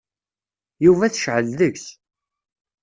Yuba tecεel deg-s.